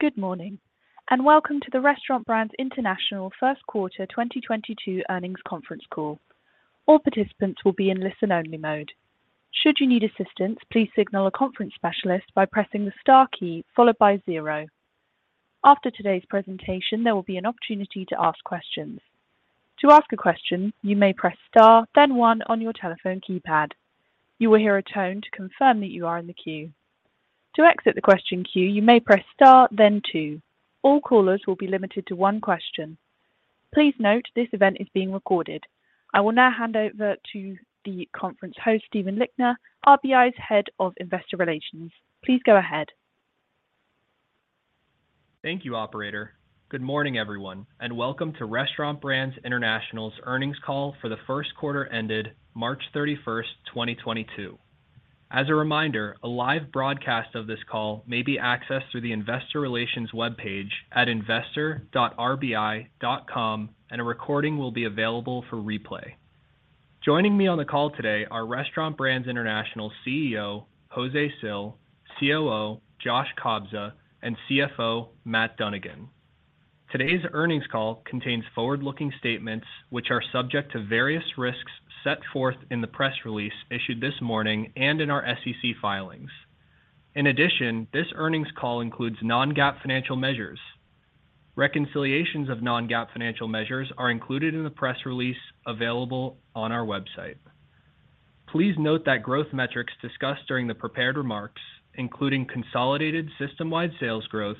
Good morning, and welcome to the Restaurant Brands International first quarter 2022 earnings conference call. All participants will be in listen-only mode. Should you need assistance, please signal a conference specialist by pressing the star key followed by zero. After today's presentation, there will be an opportunity to ask questions. To ask a question, you may press star, then one on your telephone keypad. You will hear a tone to confirm that you are in the queue. To exit the question queue, you may press star then two. All callers will be limited to one question. Please note this event is being recorded. I will now hand over to the conference host, Stephen Lichtner, RBI's Head of Investor Relations. Please go ahead. Thank you, operator. Good morning, everyone, and welcome to Restaurant Brands International's earnings call for the first quarter ended March 31, 2022. As a reminder, a live broadcast of this call may be accessed through the investor relations webpage at investor.rbi.com, and a recording will be available for replay. Joining me on the call today are Restaurant Brands International CEO, José Cil, COO, Josh Kobza, and CFO, Matt Dunnigan. Today's earnings call contains forward-looking statements which are subject to various risks set forth in the press release issued this morning and in our SEC filings. In addition, this earnings call includes non-GAAP financial measures. Reconciliations of non-GAAP financial measures are included in the press release available on our website. Please note that growth metrics discussed during the prepared remarks, including consolidated system-wide sales growth,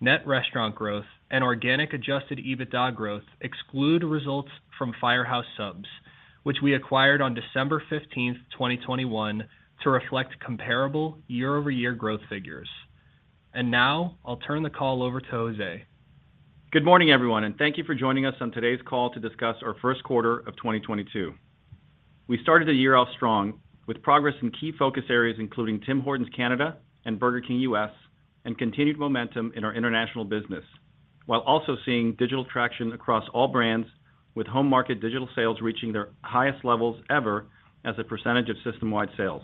net restaurant growth, and organic adjusted EBITDA growth exclude results from Firehouse Subs, which we acquired on December 15, 2021, to reflect comparable year-over-year growth figures. Now I'll turn the call over to José. Good morning, everyone, and thank you for joining us on today's call to discuss our first quarter of 2022. We started the year off strong with progress in key focus areas, including Tim Hortons Canada and Burger King US, and continued momentum in our international business, while also seeing digital traction across all brands, with home market digital sales reaching their highest levels ever as a percentage of system-wide sales.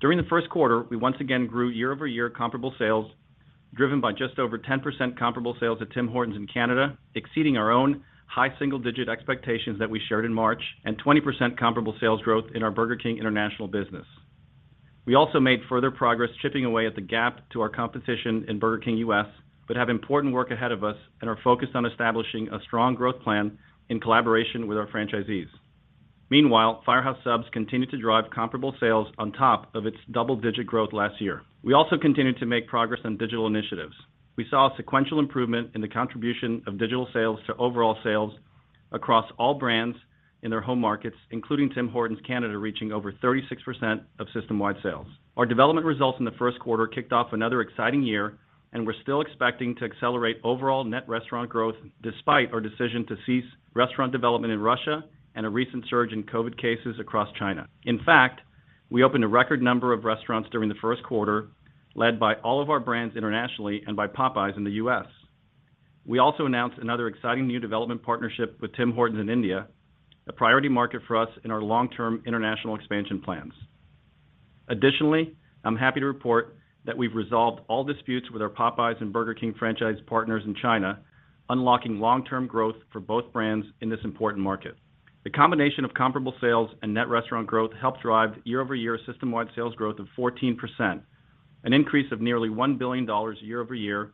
During the first quarter, we once again grew year-over-year comparable sales driven by just over 10% comparable sales at Tim Hortons in Canada, exceeding our own high single-digit expectations that we shared in March and 20% comparable sales growth in our Burger King international business. We also made further progress chipping away at the gap to our competition in Burger King U.S., but have important work ahead of us and are focused on establishing a strong growth plan in collaboration with our franchisees. Meanwhile, Firehouse Subs continued to drive comparable sales on top of its double-digit growth last year. We also continued to make progress on digital initiatives. We saw a sequential improvement in the contribution of digital sales to overall sales across all brands in their home markets, including Tim Hortons Canada, reaching over 36% of system-wide sales. Our development results in the first quarter kicked off another exciting year, and we're still expecting to accelerate overall net restaurant growth despite our decision to cease restaurant development in Russia and a recent surge in COVID cases across China. In fact, we opened a record number of restaurants during the first quarter, led by all of our brands internationally and by Popeyes in the U.S. We also announced another exciting new development partnership with Tim Hortons in India, a priority market for us in our long-term international expansion plans. Additionally, I'm happy to report that we've resolved all disputes with our Popeyes and Burger King franchise partners in China, unlocking long-term growth for both brands in this important market. The combination of comparable sales and net restaurant growth helped drive year-over-year system-wide sales growth of 14%, an increase of nearly $1 billion year over year,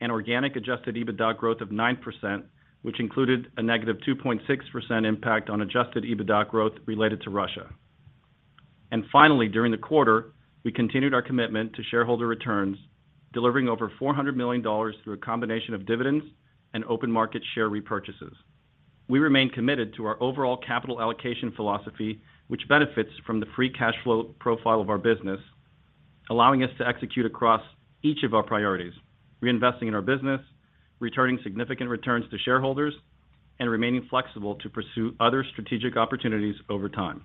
and organic adjusted EBITDA growth of 9%, which included a negative 2.6% impact on adjusted EBITDA growth related to Russia. Finally, during the quarter, we continued our commitment to shareholder returns, delivering over $400 million through a combination of dividends and open market share repurchases. We remain committed to our overall capital allocation philosophy, which benefits from the free cash flow profile of our business, allowing us to execute across each of our priorities, reinvesting in our business, returning significant returns to shareholders, and remaining flexible to pursue other strategic opportunities over time.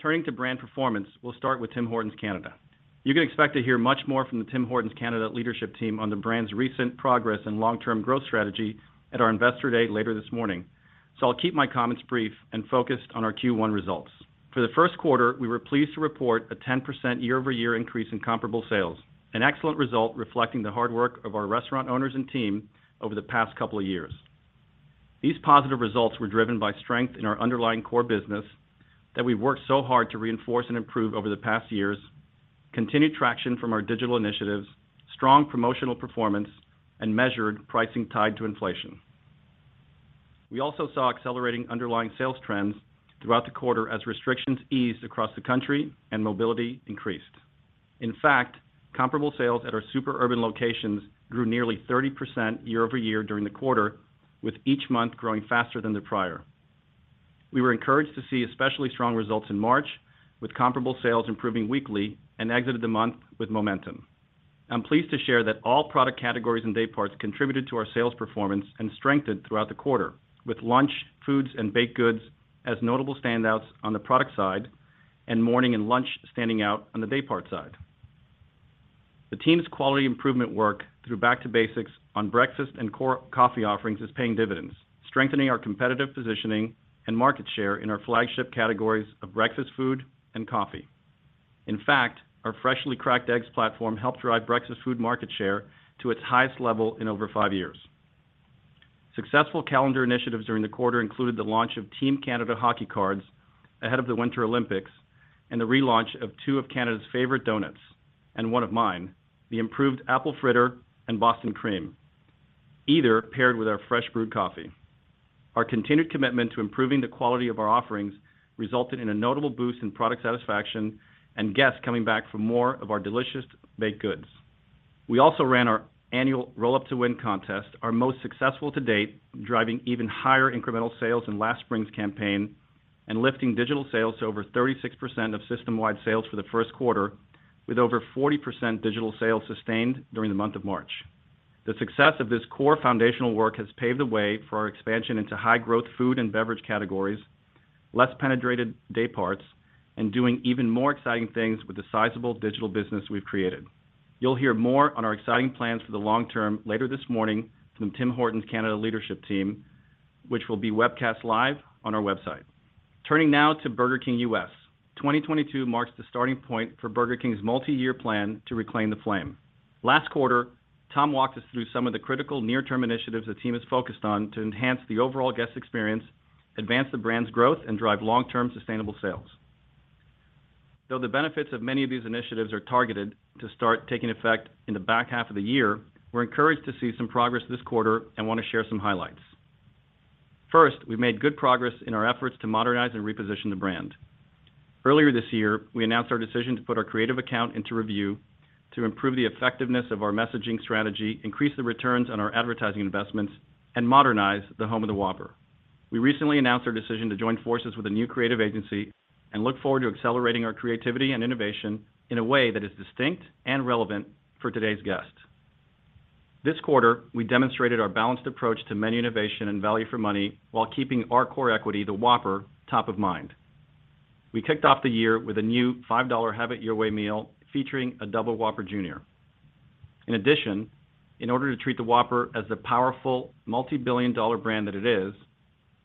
Turning to brand performance, we'll start with Tim Hortons Canada. You can expect to hear much more from the Tim Hortons Canada leadership team on the brand's recent progress and long-term growth strategy at our Investor Day later this morning. I'll keep my comments brief and focused on our Q1 results. For the first quarter, we were pleased to report a 10% year-over-year increase in comparable sales, an excellent result reflecting the hard work of our restaurant owners and team over the past couple of years. These positive results were driven by strength in our underlying core business that we've worked so hard to reinforce and improve over the past years, continued traction from our digital initiatives, strong promotional performance, and measured pricing tied to inflation. We also saw accelerating underlying sales trends throughout the quarter as restrictions eased across the country and mobility increased. In fact, comparable sales at our super urban locations grew nearly 30% year-over-year during the quarter, with each month growing faster than the prior. We were encouraged to see especially strong results in March, with comparable sales improving weekly and exited the month with momentum. I'm pleased to share that all product categories and day parts contributed to our sales performance and strengthened throughout the quarter with lunch, foods, and baked goods as notable standouts on the product side and morning and lunch standing out on the day part side. The team's quality improvement work through back to basics on breakfast and core coffee offerings is paying dividends, strengthening our competitive positioning and market share in our flagship categories of breakfast food and coffee. In fact, our freshly cracked eggs platform helped drive breakfast food market share to its highest level in over five years. Successful calendar initiatives during the quarter included the launch of Team Canada hockey cards ahead of the Winter Olympics and the relaunch of two of Canada's favorite donuts, and one of mine, the improved Apple Fritter and Boston Cream, either paired with our fresh brewed coffee. Our continued commitment to improving the quality of our offerings resulted in a notable boost in product satisfaction and guests coming back for more of our delicious baked goods. We also ran our annual Roll Up to Win contest, our most successful to date, driving even higher incremental sales than last spring's campaign and lifting digital sales to over 36% of system-wide sales for the first quarter, with over 40% digital sales sustained during the month of March. The success of this core foundational work has paved the way for our expansion into high growth food and beverage categories, less penetrated day parts, and doing even more exciting things with the sizable digital business we've created. You'll hear more on our exciting plans for the long term later this morning from Tim Hortons Canada leadership team, which will be webcast live on our website. Turning now to Burger King U.S. 2022 marks the starting point for Burger King's multi-year plan to reclaim the flame. Last quarter, Tom walked us through some of the critical near term initiatives the team is focused on to enhance the overall guest experience, advance the brand's growth, and drive long-term sustainable sales. Though the benefits of many of these initiatives are targeted to start taking effect in the back half of the year, we're encouraged to see some progress this quarter and want to share some highlights. First, we've made good progress in our efforts to modernize and reposition the brand. Earlier this year, we announced our decision to put our creative account into review to improve the effectiveness of our messaging strategy, increase the returns on our advertising investments, and modernize the home of the Whopper. We recently announced our decision to join forces with a new creative agency and look forward to accelerating our creativity and innovation in a way that is distinct and relevant for today's guests. This quarter, we demonstrated our balanced approach to menu innovation and value for money while keeping our core equity, the Whopper, top of mind. We kicked off the year with a new $5 Have It Your Way meal featuring a Double Whopper Jr. In addition, in order to treat the Whopper as the powerful multi-billion-dollar brand that it is,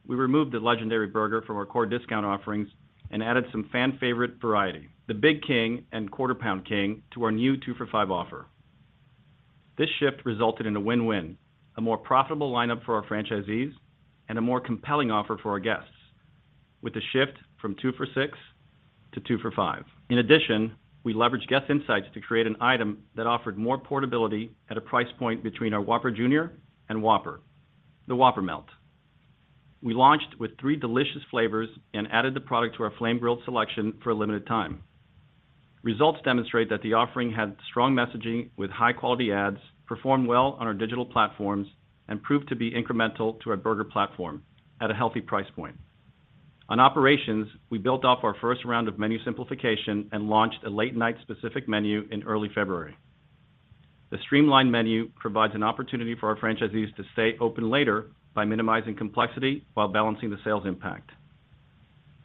we removed the legendary burger from our core discount offerings and added some fan favorite variety, the Big King and Quarter Pound King, to our new 2 for $5 offer. This shift resulted in a win-win, a more profitable lineup for our franchisees and a more compelling offer for our guests, with a shift from 2 for $6 to 2 for $5. In addition, we leveraged guest insights to create an item that offered more portability at a price point between our Whopper Jr. and Whopper, the Whopper Melt. We launched with three delicious flavors and added the product to our flame-grilled selection for a limited time. Results demonstrate that the offering had strong messaging with high quality ads, performed well on our digital platforms, and proved to be incremental to our burger platform at a healthy price point. On operations, we built off our first round of menu simplification and launched a late night specific menu in early February. The streamlined menu provides an opportunity for our franchisees to stay open later by minimizing complexity while balancing the sales impact.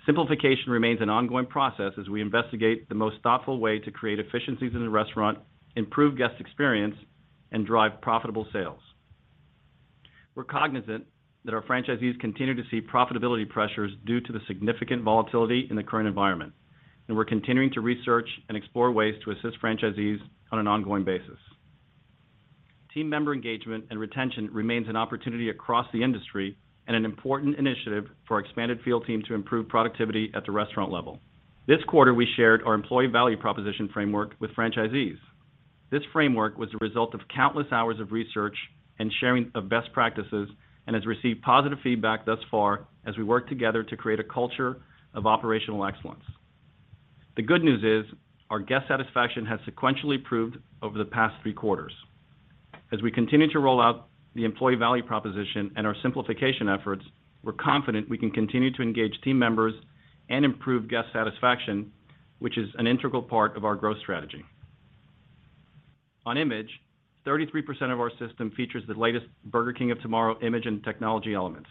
Simplification remains an ongoing process as we investigate the most thoughtful way to create efficiencies in the restaurant, improve guest experience, and drive profitable sales. We're cognizant that our franchisees continue to see profitability pressures due to the significant volatility in the current environment, and we're continuing to research and explore ways to assist franchisees on an ongoing basis. Team member engagement and retention remains an opportunity across the industry and an important initiative for our expanded field team to improve productivity at the restaurant level. This quarter, we shared our employee value proposition framework with franchisees. This framework was the result of countless hours of research and sharing of best practices and has received positive feedback thus far as we work together to create a culture of operational excellence. The good news is our guest satisfaction has sequentially improved over the past three quarters. As we continue to roll out the employee value proposition and our simplification efforts, we're confident we can continue to engage team members and improve guest satisfaction, which is an integral part of our growth strategy. On image, 33% of our system features the latest Burger King of Tomorrow image and technology elements.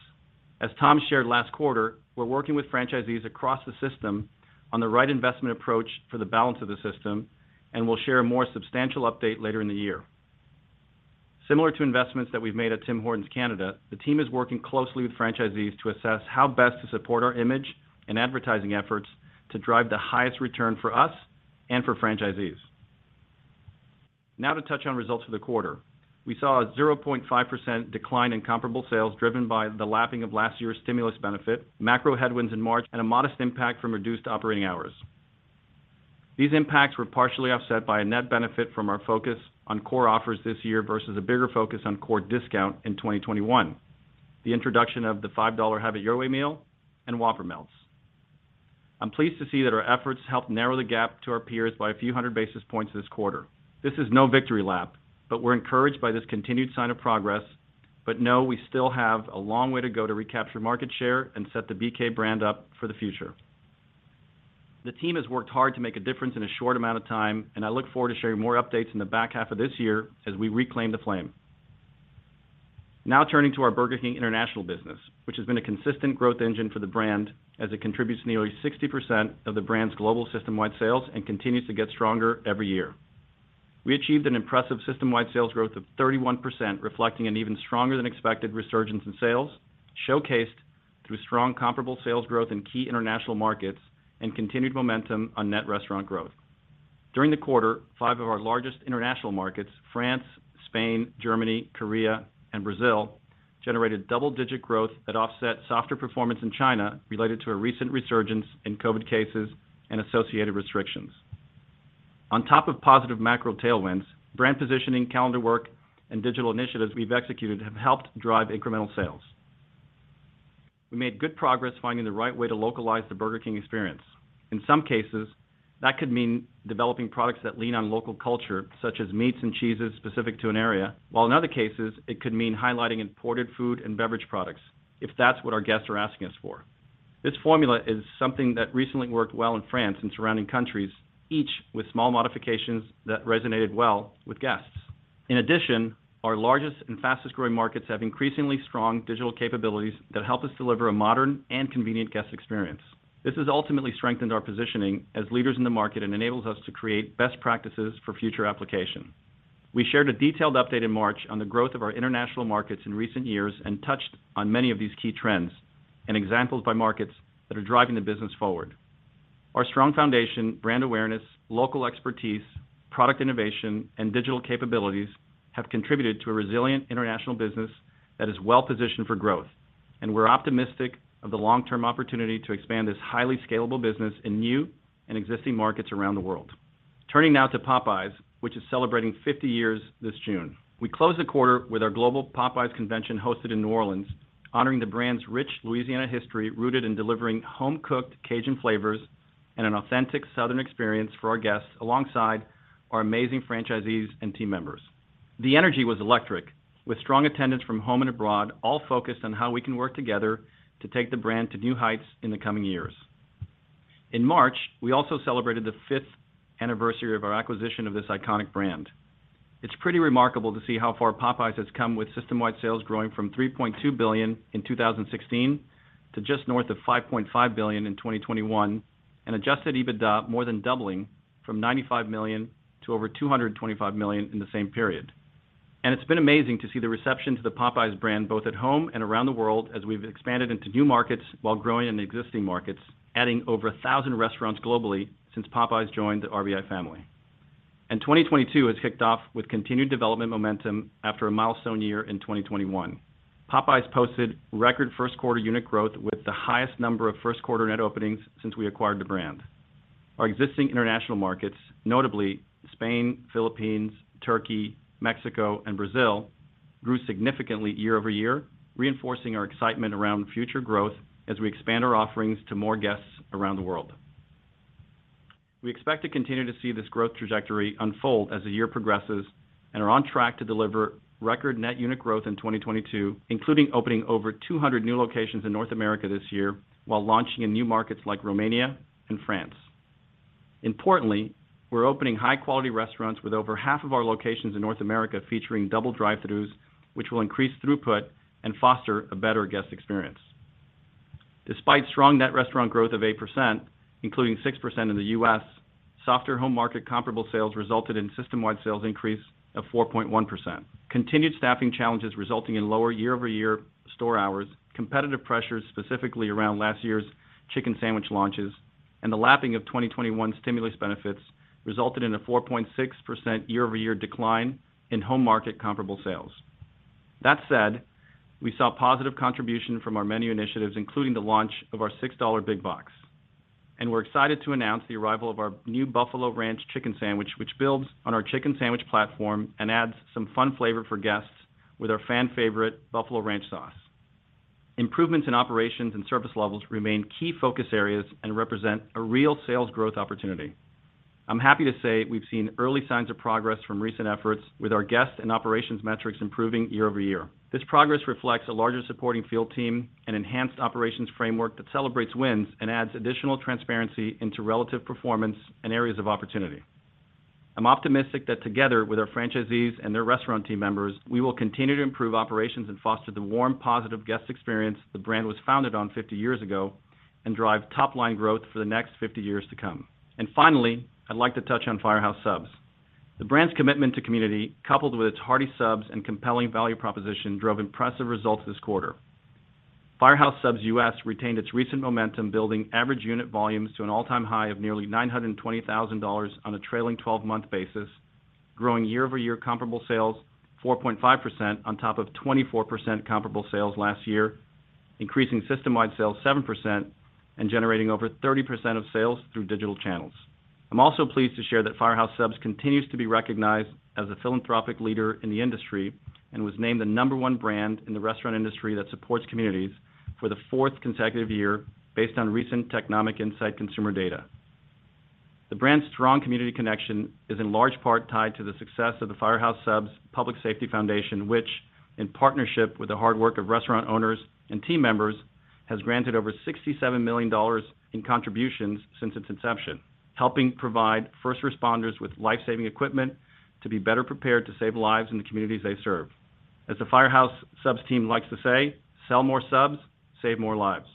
As Tom shared last quarter, we're working with franchisees across the system on the right investment approach for the balance of the system, and we'll share a more substantial update later in the year. Similar to investments that we've made at Tim Hortons Canada, the team is working closely with franchisees to assess how best to support our image and advertising efforts to drive the highest return for us and for franchisees. Now to touch on results for the quarter. We saw a 0.5% decline in comparable sales driven by the lapping of last year's stimulus benefit, macro headwinds in March, and a modest impact from reduced operating hours. These impacts were partially offset by a net benefit from our focus on core offers this year versus a bigger focus on core discount in 2021, the introduction of the $5 Have It Your Way meal and Whopper Melts. I'm pleased to see that our efforts helped narrow the gap to our peers by a few hundred basis points this quarter. This is no victory lap, but we're encouraged by this continued sign of progress, but know we still have a long way to go to recapture market share and set the BK brand up for the future. The team has worked hard to make a difference in a short amount of time, and I look forward to sharing more updates in the back half of this year as we reclaim the flame. Now turning to our Burger King International business, which has been a consistent growth engine for the brand as it contributes nearly 60% of the brand's global system-wide sales and continues to get stronger every year. We achieved an impressive system-wide sales growth of 31%, reflecting an even stronger than expected resurgence in sales, showcased through strong comparable sales growth in key international markets and continued momentum on net restaurant growth. During the quarter, five of our largest international markets, France, Spain, Germany, Korea, and Brazil, generated double-digit growth that offset softer performance in China related to a recent resurgence in COVID cases and associated restrictions. On top of positive macro tailwinds, brand positioning, calendar work, and digital initiatives we've executed have helped drive incremental sales. We made good progress finding the right way to localize the Burger King experience. In some cases, that could mean developing products that lean on local culture, such as meats and cheeses specific to an area, while in other cases it could mean highlighting imported food and beverage products if that's what our guests are asking us for. This formula is something that recently worked well in France and surrounding countries, each with small modifications that resonated well with guests. In addition, our largest and fastest growing markets have increasingly strong digital capabilities that help us deliver a modern and convenient guest experience. This has ultimately strengthened our positioning as leaders in the market and enables us to create best practices for future application. We shared a detailed update in March on the growth of our international markets in recent years, and touched on many of these key trends and examples by markets that are driving the business forward. Our strong foundation, brand awareness, local expertise, product innovation, and digital capabilities have contributed to a resilient international business that is well positioned for growth. We're optimistic of the long term opportunity to expand this highly scalable business in new and existing markets around the world. Turning now to Popeyes, which is celebrating 50 years this June. We closed the quarter with our global Popeyes convention hosted in New Orleans, honoring the brand's rich Louisiana history, rooted in delivering home-cooked Cajun flavors and an authentic southern experience for our guests alongside our amazing franchisees and team members. The energy was electric with strong attendance from home and abroad, all focused on how we can work together to take the brand to new heights in the coming years. In March, we also celebrated the fifth anniversary of our acquisition of this iconic brand. It's pretty remarkable to see how far Popeyes has come, with system-wide sales growing from $3.2 billion in 2016 to just north of $5.5 billion in 2021, and adjusted EBITDA more than doubling from $95 million to over $225 million in the same period. It's been amazing to see the reception to the Popeyes brand, both at home and around the world, as we've expanded into new markets while growing in existing markets, adding over 1,000 restaurants globally since Popeyes joined the RBI family. Twenty twenty-two has kicked off with continued development momentum after a milestone year in 2021. Popeyes posted record first quarter unit growth, with the highest number of first quarter net openings since we acquired the brand. Our existing international markets, notably Spain, Philippines, Turkey, Mexico and Brazil, grew significantly year-over-year, reinforcing our excitement around future growth as we expand our offerings to more guests around the world. We expect to continue to see this growth trajectory unfold as the year progresses, and are on track to deliver record net unit growth in 2022, including opening over 200 new locations in North America this year while launching in new markets like Romania and France. Importantly, we're opening high-quality restaurants with over half of our locations in North America featuring double drive-thrus, which will increase throughput and foster a better guest experience. Despite strong net restaurant growth of 8%, including 6% in the U.S., softer home market comparable sales resulted in system-wide sales increase of 4.1%. Continued staffing challenges resulting in lower year-over-year store hours, competitive pressures specifically around last year's chicken sandwich launches, and the lapping of 2021 stimulus benefits resulted in a 4.6% year-over-year decline in home market comparable sales. That said, we saw positive contribution from our menu initiatives, including the launch of our $6 big box. We're excited to announce the arrival of our new Buffalo Ranch Chicken Sandwich, which builds on our chicken sandwich platform and adds some fun flavor for guests with our fan favorite Buffalo Ranch sauce. Improvements in operations and service levels remain key focus areas and represent a real sales growth opportunity. I'm happy to say we've seen early signs of progress from recent efforts with our guests and operations metrics improving year-over-year. This progress reflects a larger supporting field team and enhanced operations framework that celebrates wins and adds additional transparency into relative performance and areas of opportunity. I'm optimistic that together with our franchisees and their restaurant team members, we will continue to improve operations and foster the warm, positive guest experience the brand was founded on 50 years ago and drive top line growth for the next 50 years to come. Finally, I'd like to touch on Firehouse Subs. The brand's commitment to community, coupled with its hearty subs and compelling value proposition, drove impressive results this quarter. Firehouse Subs U.S. retained its recent momentum, building average unit volumes to an all-time high of nearly $920,000 on a trailing twelve-month basis, growing year-over-year comparable sales 4.5% on top of 24% comparable sales last year. Increasing system-wide sales 7% and generating over 30% of sales through digital channels. I'm also pleased to share that Firehouse Subs continues to be recognized as a philanthropic leader in the industry, and was named the number one brand in the restaurant industry that supports communities for the fourth consecutive year, based on recent Technomic Insight consumer data. The brand's strong community connection is in large part tied to the success of the Firehouse Subs Public Safety Foundation, which, in partnership with the hard work of restaurant owners and team members, has granted over $67 million in contributions since its inception, helping provide first responders with life-saving equipment to be better prepared to save lives in the communities they serve. As the Firehouse Subs team likes to say, "Sell more subs, save more lives."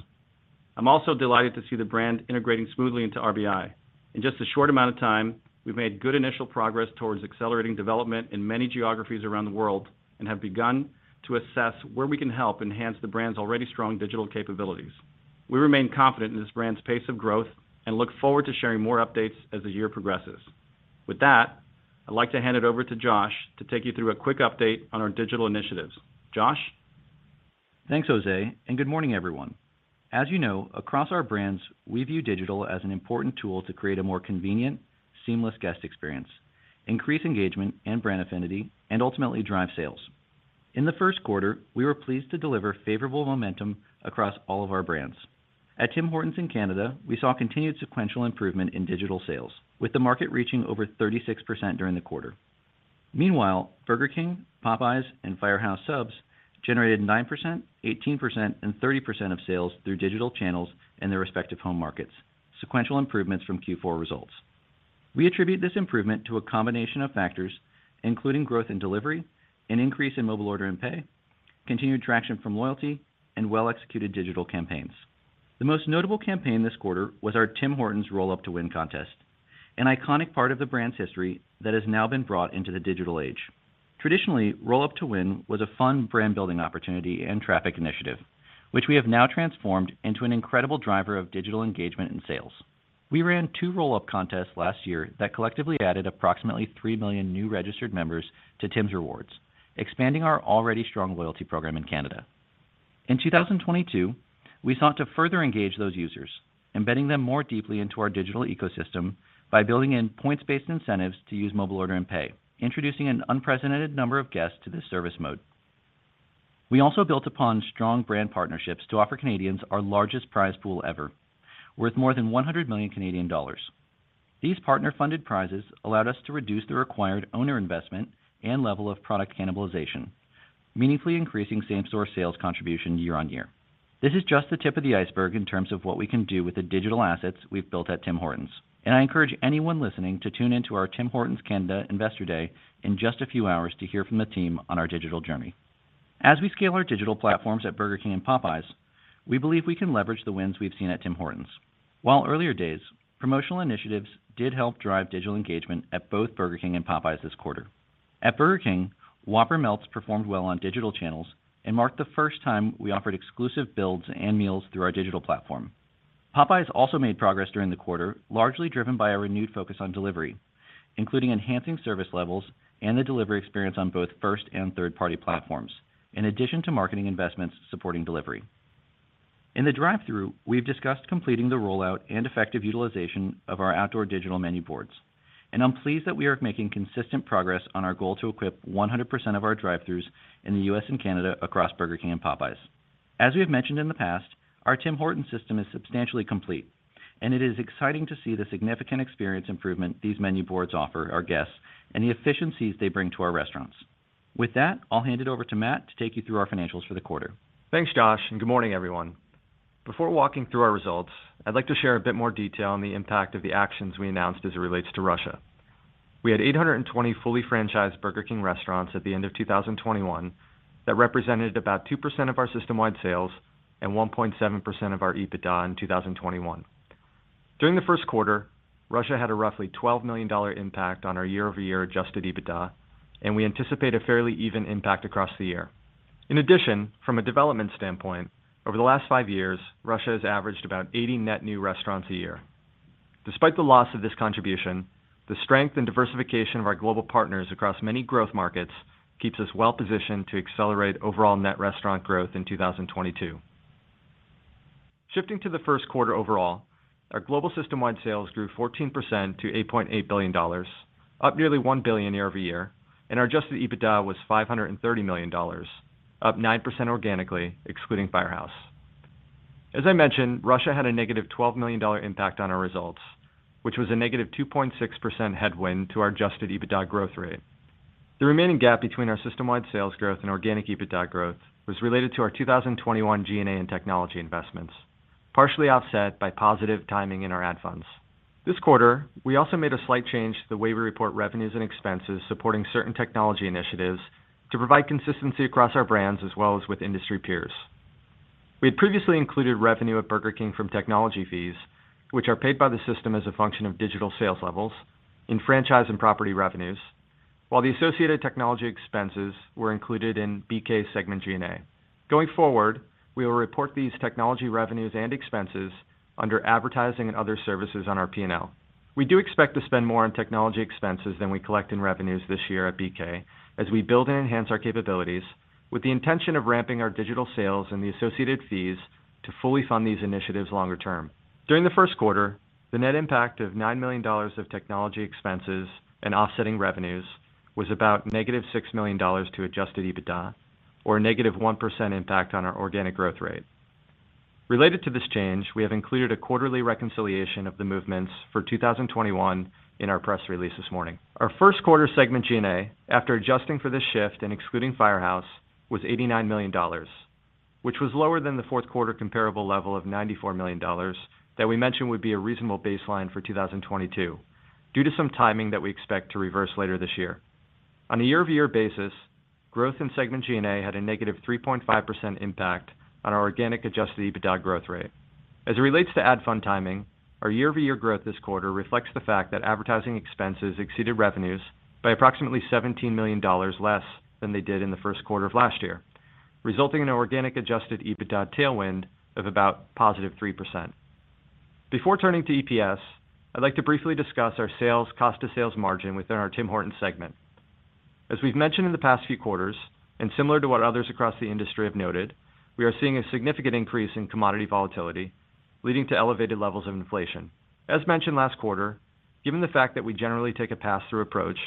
I'm also delighted to see the brand integrating smoothly into RBI. In just a short amount of time, we've made good initial progress towards accelerating development in many geographies around the world and have begun to assess where we can help enhance the brand's already strong digital capabilities. We remain confident in this brand's pace of growth and look forward to sharing more updates as the year progresses. With that, I'd like to hand it over to Josh to take you through a quick update on our digital initiatives. Josh? Thanks, José, and good morning, everyone. As you know, across our brands, we view digital as an important tool to create a more convenient, seamless guest experience, increase engagement and brand affinity, and ultimately drive sales. In the first quarter, we were pleased to deliver favorable momentum across all of our brands. At Tim Hortons in Canada, we saw continued sequential improvement in digital sales, with the market reaching over 36% during the quarter. Meanwhile, Burger King, Popeyes, and Firehouse Subs generated 9%, 18%, and 30% of sales through digital channels in their respective home markets, sequential improvements from Q4 results. We attribute this improvement to a combination of factors, including growth in delivery, an increase in mobile order and pay, continued traction from loyalty, and well-executed digital campaigns. The most notable campaign this quarter was our Tim Hortons Roll Up to Win contest, an iconic part of the brand's history that has now been brought into the digital age. Traditionally, Roll Up to Win was a fun brand-building opportunity and traffic initiative, which we have now transformed into an incredible driver of digital engagement and sales. We ran 2 Roll Up contests last year that collectively added approximately 3 million new registered members to Tims Rewards, expanding our already strong loyalty program in Canada. In 2022, we sought to further engage those users, embedding them more deeply into our digital ecosystem by building in points-based incentives to use mobile order and pay, introducing an unprecedented number of guests to this service mode. We also built upon strong brand partnerships to offer Canadians our largest prize pool ever, worth more than 100 million Canadian dollars. These partner-funded prizes allowed us to reduce the required owner investment and level of product cannibalization, meaningfully increasing same-store sales contribution year on year. This is just the tip of the iceberg in terms of what we can do with the digital assets we've built at Tim Hortons, and I encourage anyone listening to tune in to our Tim Hortons Canada Investor Day in just a few hours to hear from the team on our digital journey. As we scale our digital platforms at Burger King and Popeyes, we believe we can leverage the wins we've seen at Tim Hortons. While in earlier days, promotional initiatives did help drive digital engagement at both Burger King and Popeyes this quarter. At Burger King, Whopper Melts performed well on digital channels and marked the first time we offered exclusive builds and meals through our digital platform. Popeyes also made progress during the quarter, largely driven by a renewed focus on delivery, including enhancing service levels and the delivery experience on both first and third-party platforms, in addition to marketing investments supporting delivery. In the drive-thru, we've discussed completing the rollout and effective utilization of our outdoor digital menu boards, and I'm pleased that we are making consistent progress on our goal to equip 100% of our drive-thrus in the U.S. and Canada across Burger King and Popeyes. As we have mentioned in the past, our Tim Hortons system is substantially complete, and it is exciting to see the significant experience improvement these menu boards offer our guests and the efficiencies they bring to our restaurants. With that, I'll hand it over to Matt to take you through our financials for the quarter. Thanks, Josh, and good morning, everyone. Before walking through our results, I'd like to share a bit more detail on the impact of the actions we announced as it relates to Russia. We had 820 fully franchised Burger King restaurants at the end of 2021 that represented about 2% of our system-wide sales and 1.7% of our EBITDA in 2021. During the first quarter, Russia had a roughly $12 million impact on our year-over-year adjusted EBITDA, and we anticipate a fairly even impact across the year. In addition, from a development standpoint, over the last 5 years, Russia has averaged about 80 net new restaurants a year. Despite the loss of this contribution, the strength and diversification of our global partners across many growth markets keeps us well positioned to accelerate overall net restaurant growth in 2022. Shifting to the first quarter overall, our global system-wide sales grew 14% to $8.8 billion, up nearly $1 billion year over year, and our adjusted EBITDA was $530 million, up 9% organically, excluding Firehouse. As I mentioned, Russia had a negative $12 million impact on our results, which was a negative 2.6% headwind to our adjusted EBITDA growth rate. The remaining gap between our system-wide sales growth and organic EBITDA growth was related to our 2021 G&A and technology investments, partially offset by positive timing in our ad funds. This quarter, we also made a slight change to the way we report revenues and expenses supporting certain technology initiatives to provide consistency across our brands as well as with industry peers. We had previously included revenue at Burger King from technology fees, which are paid by the system as a function of digital sales levels in franchise and property revenues, while the associated technology expenses were included in BK segment G&A. Going forward, we will report these technology revenues and expenses under advertising and other services on our P&L. We do expect to spend more on technology expenses than we collect in revenues this year at BK as we build and enhance our capabilities with the intention of ramping our digital sales and the associated fees to fully fund these initiatives longer term. During the first quarter, the net impact of $9 million of technology expenses and offsetting revenues was about -$6 million to adjusted EBITDA, or a negative 1% impact on our organic growth rate. Related to this change, we have included a quarterly reconciliation of the movements for 2021 in our press release this morning. Our first quarter segment G&A, after adjusting for this shift and excluding Firehouse, was $89 million, which was lower than the fourth quarter comparable level of $94 million that we mentioned would be a reasonable baseline for 2022 due to some timing that we expect to reverse later this year. On a year-over-year basis, growth in segment G&A had a negative 3.5% impact on our organic adjusted EBITDA growth rate. As it relates to ad fund timing, our year-over-year growth this quarter reflects the fact that advertising expenses exceeded revenues by approximately $17 million less than they did in the first quarter of last year, resulting in an organic adjusted EBITDA tailwind of about positive 3%. Before turning to EPS, I'd like to briefly discuss our sales cost to sales margin within our Tim Hortons segment. As we've mentioned in the past few quarters, and similar to what others across the industry have noted, we are seeing a significant increase in commodity volatility, leading to elevated levels of inflation. As mentioned last quarter, given the fact that we generally take a pass-through approach,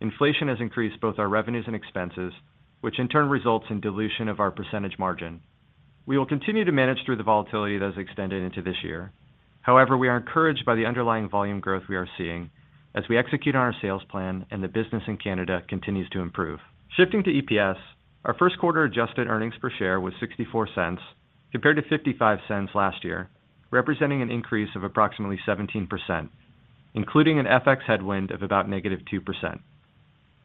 inflation has increased both our revenues and expenses, which in turn results in dilution of our percentage margin. We will continue to manage through the volatility that has extended into this year. However, we are encouraged by the underlying volume growth we are seeing as we execute on our sales plan and the business in Canada continues to improve. Shifting to EPS, our first quarter adjusted earnings per share was $0.64 compared to $0.55 last year, representing an increase of approximately 17%, including an FX headwind of about -2%.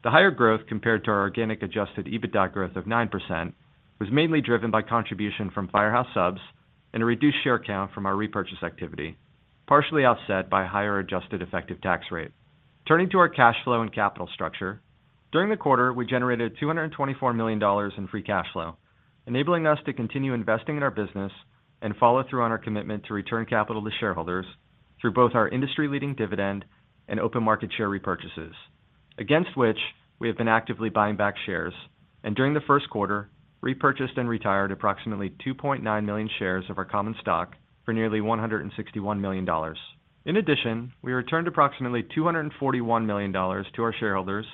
The higher growth compared to our organic adjusted EBITDA growth of 9% was mainly driven by contribution from Firehouse Subs and a reduced share count from our repurchase activity, partially offset by a higher adjusted effective tax rate. Turning to our cash flow and capital structure, during the quarter, we generated $224 million in free cash flow, enabling us to continue investing in our business and follow through on our commitment to return capital to shareholders through both our industry-leading dividend and open market share repurchases, against which we have been actively buying back shares, and during the first quarter, repurchased and retired approximately 2.9 million shares of our common stock for nearly $161 million. In addition, we returned approximately $241 million to our shareholders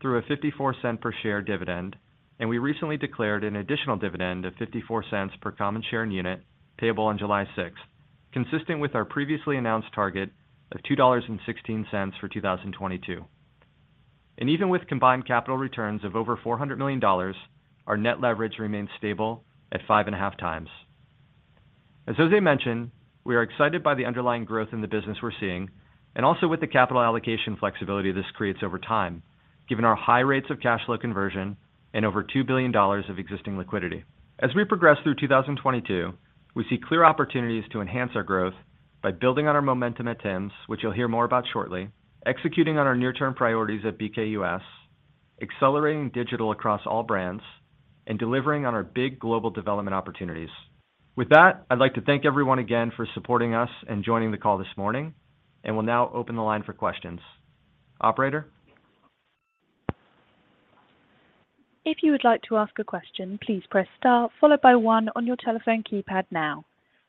through a $0.54 per share dividend, and we recently declared an additional dividend of 54 cents per common share and unit payable on July sixth, consistent with our previously announced target of $2.16 for 2022. Even with combined capital returns of over $400 million, our net leverage remains stable at 5.5 times. As José mentioned, we are excited by the underlying growth in the business we're seeing, and also with the capital allocation flexibility this creates over time, given our high rates of cash flow conversion and over $2 billion of existing liquidity. As we progress through 2022, we see clear opportunities to enhance our growth by building on our momentum at Tim's, which you'll hear more about shortly, executing on our near-term priorities at BKUS, accelerating digital across all brands, and delivering on our big global development opportunities. With that, I'd like to thank everyone again for supporting us and joining the call this morning, and we'll now open the line for questions. Operator. If you would like to ask a question, please press star followed by one on your telephone keypad now.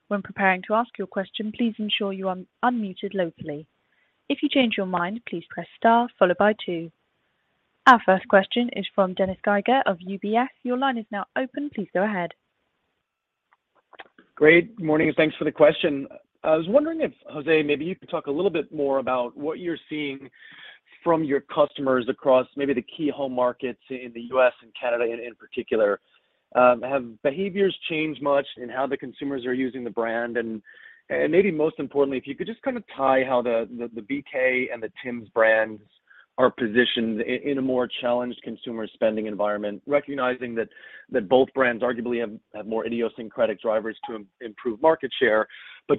When preparing to ask your question, please ensure you are unmuted locally. If you change your mind, please press star followed by two. Our first question is from Dennis Geiger of UBS. Your line is now open. Please go ahead. Good morning, and thanks for the question. I was wondering if, José, maybe you could talk a little bit more about what you're seeing from your customers across maybe the key home markets in the U.S. and Canada in particular. Have behaviors changed much in how the consumers are using the brand? Maybe most importantly, if you could just kind of tie how the BK and the Tim's brands are positioned in a more challenged consumer spending environment, recognizing that both brands arguably have more idiosyncratic drivers to improve market share.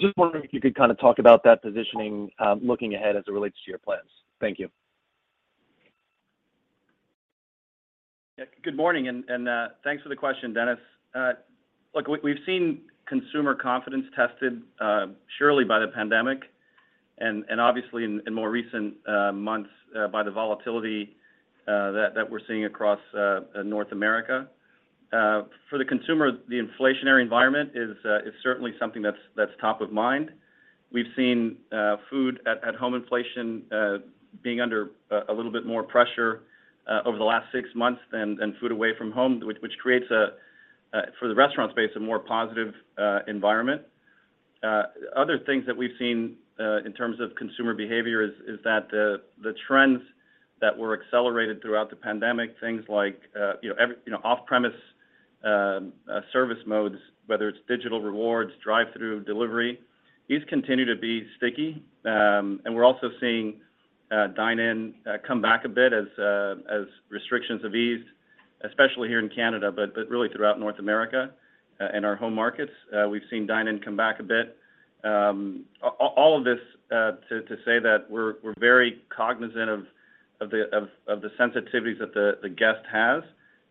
Just wondering if you could kind of talk about that positioning, looking ahead as it relates to your plans. Thank you. Yeah. Good morning, thanks for the question, Dennis. Look, we've seen consumer confidence tested surely by the pandemic and obviously in more recent months by the volatility that we're seeing across North America. For the consumer, the inflationary environment is certainly something that's top of mind. We've seen food at home inflation being under a little bit more pressure over the last six months than food away from home, which creates for the restaurant space a more positive environment. Other things that we've seen in terms of consumer behavior is that the trends that were accelerated throughout the pandemic, things like you know every you know off-premise service modes, whether it's digital rewards, drive-thru, delivery, these continue to be sticky. We're also seeing dine-in come back a bit as restrictions have eased, especially here in Canada, but really throughout North America and our home markets, we've seen dine-in come back a bit. All of this to say that we're very cognizant of the sensitivities that the guest has,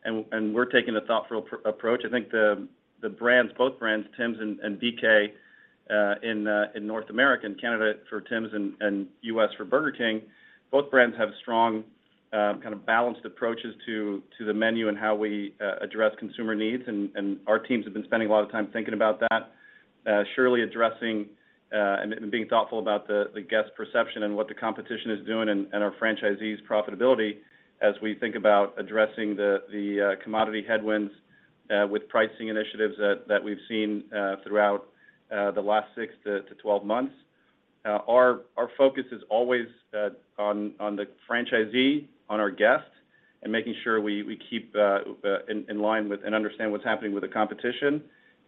and we're taking a thoughtful approach. I think the brands, both brands, Tims and BK, in North America and Canada for Tims and U.S. for Burger King, both brands have strong kind of balanced approaches to the menu and how we address consumer needs. Our teams have been spending a lot of time thinking about that, surely addressing and being thoughtful about the guest perception and what the competition is doing and our franchisees' profitability as we think about addressing the commodity headwinds with pricing initiatives that we've seen throughout the last 6-12 months. Our focus is always on the franchisee, on our guest, and making sure we keep in line with and understand what's happening with the competition.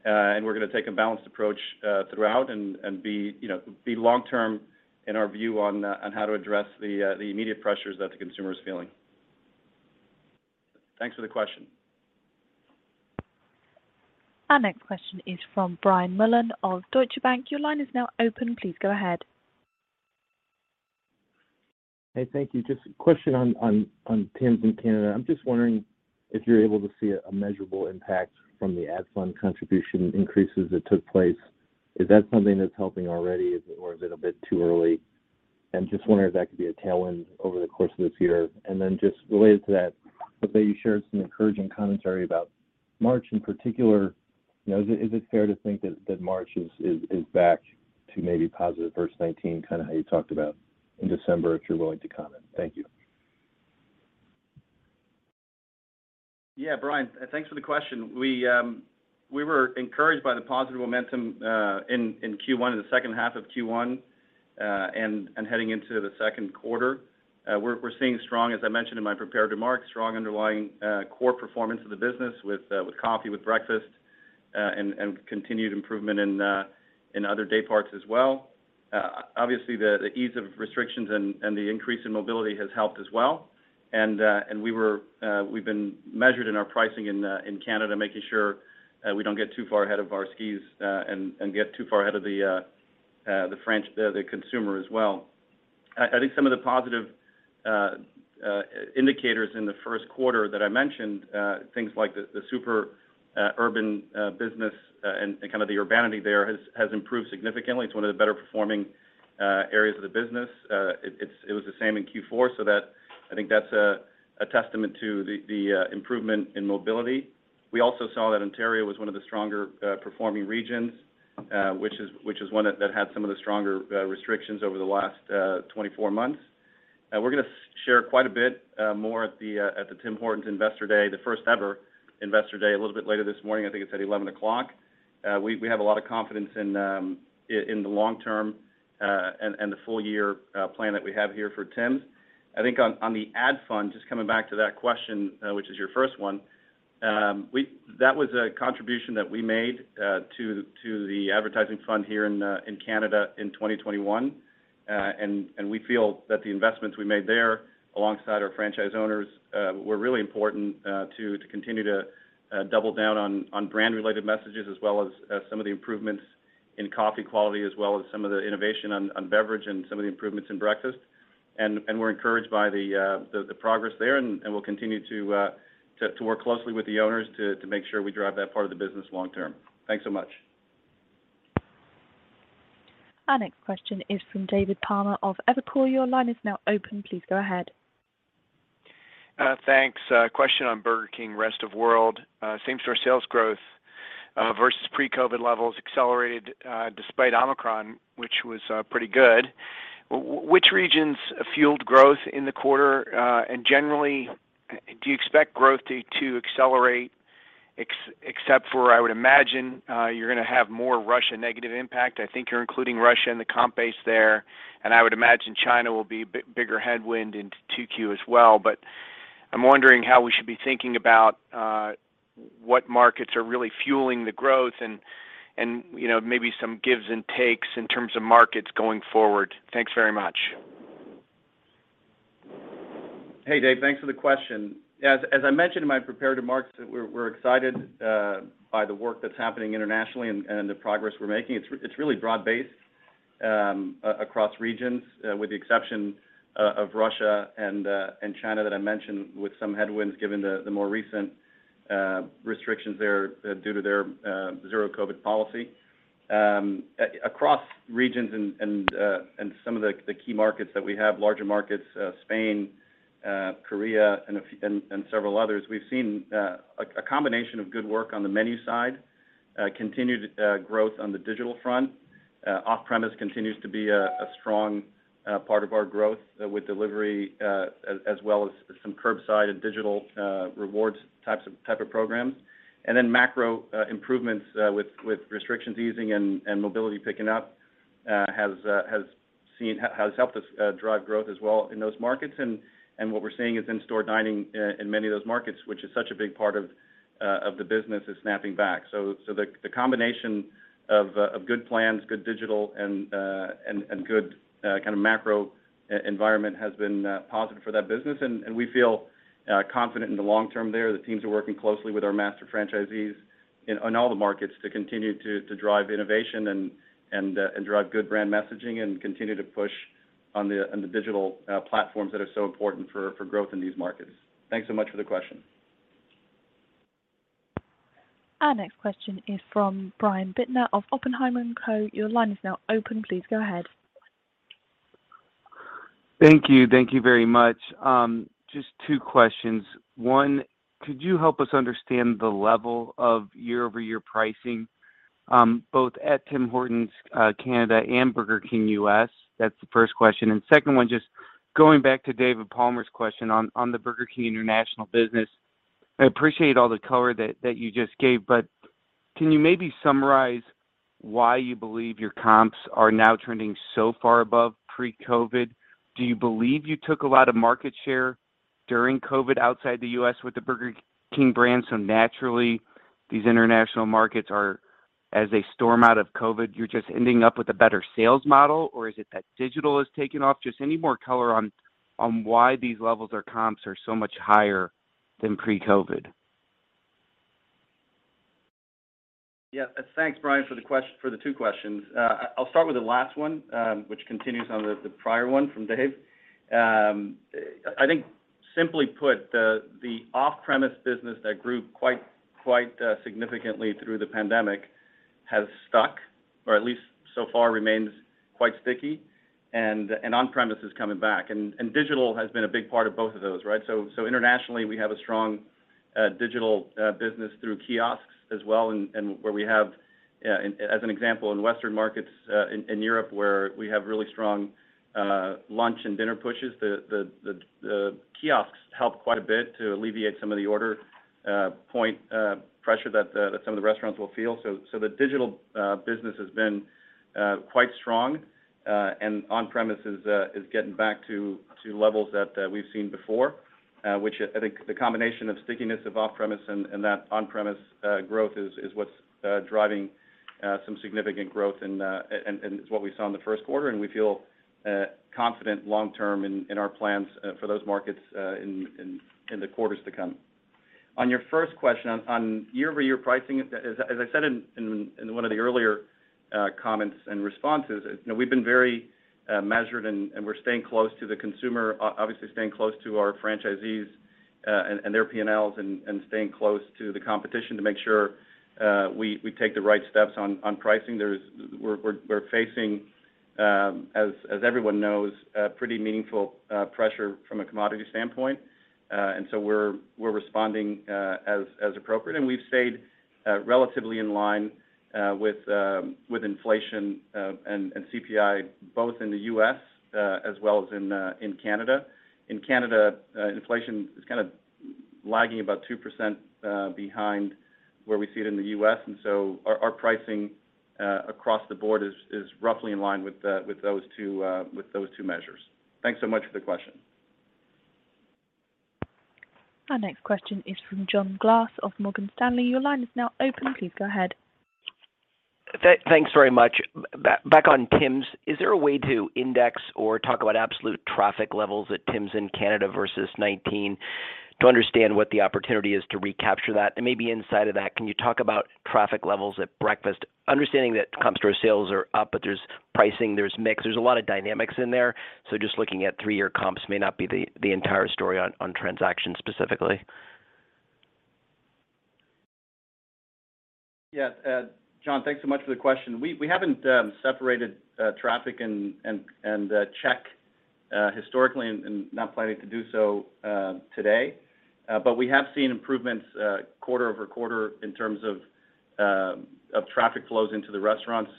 We're gonna take a balanced approach throughout and be, you know, be long term in our view on how to address the immediate pressures that the consumer is feeling. Thanks for the question. Our next question is from Brian Mullan of Deutsche Bank. Your line is now open. Please go ahead. Hey, thank you. Just a question on Tims in Canada. I'm just wondering if you're able to see a measurable impact from the ad fund contribution increases that took place. Is that something that's helping already, or is it a bit too early? Just wondering if that could be a tailwind over the course of this year. Then just related to that, I see you shared some encouraging commentary about March in particular. You know, is it fair to think that March is back to maybe positive versus 2019, kind of how you talked about in December, if you're willing to comment? Thank you. Yeah. Brian, thanks for the question. We were encouraged by the positive momentum in Q1, in the second half of Q1, and heading into the second quarter. We're seeing strong, as I mentioned in my prepared remarks, strong underlying core performance of the business with coffee, with breakfast, and continued improvement in other day parts as well. Obviously the ease of restrictions and the increase in mobility has helped as well. We've been measured in our pricing in Canada, making sure we don't get too far ahead of our skis, and get too far ahead of the consumer as well. I think some of the positive indicators in the first quarter that I mentioned, things like the super urban business and kind of the urbanity there has improved significantly. It's one of the better performing areas of the business. It was the same in Q4, so I think that's a testament to the improvement in mobility. We also saw that Ontario was one of the stronger performing regions, which is one that had some of the stronger restrictions over the last 24 months. We're gonna share quite a bit more at the Tim Hortons Investor Day, the first ever investor day, a little bit later this morning. I think it's at 11:00 A.M. We have a lot of confidence in the long term and the full year plan that we have here for Tims. I think on the ad fund, just coming back to that question, which is your first one, that was a contribution that we made to the advertising fund here in Canada in 2021. We feel that the investments we made there alongside our franchise owners were really important to continue to double down on brand-related messages, as well as some of the improvements in coffee quality, as well as some of the innovation on beverage and some of the improvements in breakfast. We're encouraged by the progress there and we'll continue to work closely with the owners to make sure we drive that part of the business long term. Thanks so much. Our next question is from David Palmer of Evercore. Your line is now open. Please go ahead. Thanks. A question on Burger King rest of world. Same-store sales growth versus pre-COVID levels accelerated despite Omicron, which was pretty good. Which regions fueled growth in the quarter? Generally, do you expect growth to accelerate except for, I would imagine, you're gonna have more Russia negative impact. I think you're including Russia in the comp base there, and I would imagine China will be a bigger headwind into 2Q as well. I'm wondering how we should be thinking about what markets are really fueling the growth and, you know, maybe some gives and takes in terms of markets going forward. Thanks very much. Hey, David. Thanks for the question. As I mentioned in my prepared remarks, we're excited by the work that's happening internationally and the progress we're making. It's really broad-based across regions with the exception of Russia and China that I mentioned with some headwinds given the more recent restrictions there due to their zero COVID policy. Across regions and some of the key markets that we have, larger markets, Spain, Korea and several others, we've seen a combination of good work on the menu side, continued growth on the digital front. Off-premise continues to be a strong part of our growth with delivery as well as some curbside and digital rewards type of programs. Macro improvements with restrictions easing and mobility picking up has helped us drive growth as well in those markets. What we're seeing is in-store dining in many of those markets, which is such a big part of the business, is snapping back. The combination of good plans, good digital, and good kind of macro environment has been positive for that business. We feel confident in the long term there. The teams are working closely with our master franchisees on all the markets to continue to drive innovation and drive good brand messaging and continue to push on the digital platforms that are so important for growth in these markets. Thanks so much for the question. Our next question is from Brian Bittner of Oppenheimer & Co. Your line is now open. Please go ahead. Thank you. Thank you very much. Just two questions. One, could you help us understand the level of year-over-year pricing, both at Tim Hortons Canada and Burger King U.S.? That's the first question. Second one, just going back to David Palmer's question on the Burger King international business, I appreciate all the color that you just gave, but can you maybe summarize why you believe your comps are now trending so far above pre-COVID? Do you believe you took a lot of market share during COVID outside the U.S. with the Burger King brand, so naturally these international markets are As we come out of COVID, are you just ending up with a better sales model, or is it that digital has taken off? Just any more color on why these levels or comps are so much higher than pre-COVID. Yeah. Thanks, Brian, for the two questions. I'll start with the last one, which continues on the prior one from Dave. I think simply put, the off-premise business that grew quite significantly through the pandemic has stuck, or at least so far remains quite sticky, and on-premise is coming back. Digital has been a big part of both of those, right? Internationally, we have a strong digital business through kiosks as well. Where we have, as an example, in Western markets, in Europe, where we have really strong lunch and dinner pushes, the kiosks help quite a bit to alleviate some of the order point pressure that some of the restaurants will feel. The digital business has been quite strong, and on-premise is getting back to levels that we've seen before, which I think the combination of stickiness of off-premise and that on-premise growth is what's driving some significant growth and is what we saw in the first quarter. We feel confident long-term in our plans for those markets in the quarters to come. On your first question on year-over-year pricing, as I said in one of the earlier comments and responses, you know, we've been very measured and we're staying close to the consumer, obviously staying close to our franchisees and their P&Ls and staying close to the competition to make sure we take the right steps on pricing. We're facing, as everyone knows, a pretty meaningful pressure from a commodity standpoint. We're responding as appropriate. We've stayed relatively in line with inflation and CPI, both in the U.S. as well as in Canada. In Canada, inflation is kind of lagging about 2% behind where we see it in the U.S. Our pricing across the board is roughly in line with those two measures. Thanks so much for the question. Our next question is from John Glass of Morgan Stanley. Your line is now open. Please go ahead. Thanks very much. Back on Tims. Is there a way to index or talk about absolute traffic levels at Tims in Canada versus 2019 to understand what the opportunity is to recapture that? And maybe inside of that, can you talk about traffic levels at breakfast? Understanding that comp store sales are up, but there's pricing, there's mix, there's a lot of dynamics in there. Just looking at three-year comps may not be the entire story on transactions specifically. Yeah. John, thanks so much for the question. We haven't separated traffic and check historically and not planning to do so today. We have seen improvements quarter-over-quarter in terms of traffic flows into the restaurants.